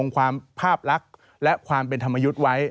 ความภาพลักษณ์และความเป็นธรรมยุทธ์ไว้